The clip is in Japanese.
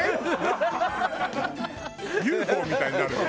ＵＦＯみたいになるの？